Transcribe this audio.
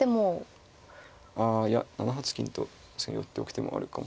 あいや７八金と寄っておく手もあるかも。